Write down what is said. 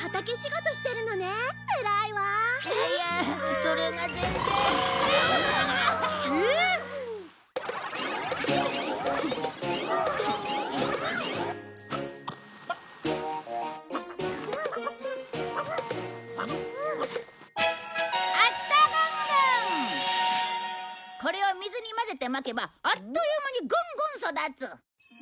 これを水に混ぜてまけばあっという間にグングン育つ。